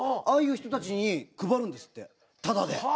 ああいう人たちに配るんですってタダで。